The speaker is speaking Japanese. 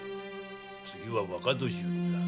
次は若年寄りだ。